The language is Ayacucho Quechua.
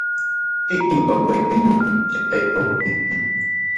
Chaypa weqellan chayawaptin.